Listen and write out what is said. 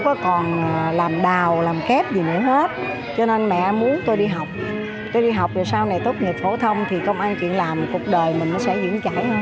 thì công an chuyện làm cuộc đời mình sẽ diễn chảy hơn